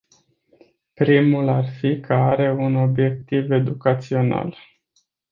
Primul ar fi că are un obiectiv educațional.